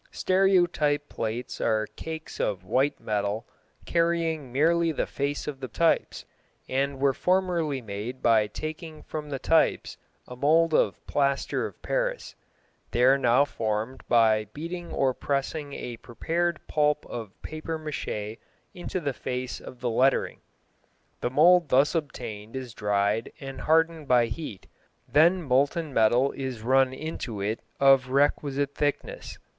Stereotype plates are cakes of white metal carrying merely the face of the types, and were formerly made by taking from the types a mould of plaster of Paris. They are now formed by beating or pressing a prepared pulp of papier mâché into the face of the lettering. The mould thus obtained is dried and hardened by heat, then molten metal is run into it of requisite thickness.